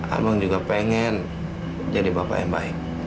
abang juga pengen jadi bapak yang baik